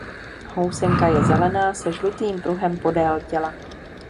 Housenka je zelená se žlutým pruhem podél těla.